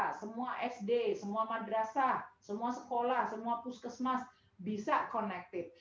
agar semua desa semua sd semua madrasah semua sekolah semua puskesmas bisa connected